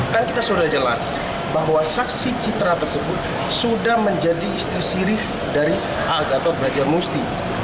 kan kita sudah jelas bahwa saksi citra tersebut sudah menjadi istri sirih dari al gatot brajamusti